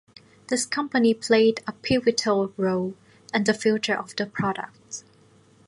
This company played a pivotal role in the future of the product.